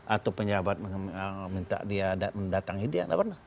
atau penjabat minta dia datangin dia gak pernah